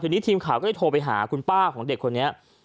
ทีนี้ทีมข่าวก็เลยโทรไปหาคุณป้าของเด็กคนนี้